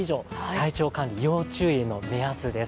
体調管理、要注意の目安です。